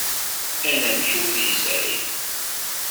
Anamek ur t-yesɛi.